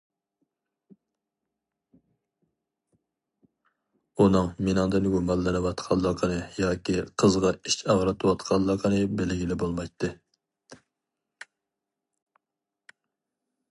ئۇنىڭ مېنىڭدىن گۇمانلىنىۋاتقانلىقىنى ياكى قىزغا ئىچ ئاغرىتىۋاتقانلىقىنى بىلگىلى بولمايتتى.